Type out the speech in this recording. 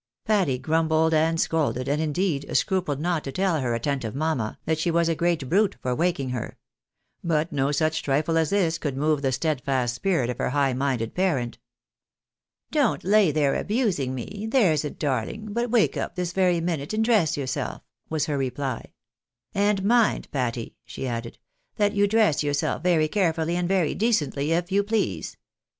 Patty grumbled and scolded, and, indeed, scrupled not to tell her attentive mamma that she was a great brute for waking her ; but no such trifle as this could move the steadfast spirit of her high minded parent. " Don't lay there abusing me, there's a darling, but wake up this very minute, and dress yourself," was her reply. " And mind, Patty," she added, "that you dress yourself very carefully and very decently, if you please.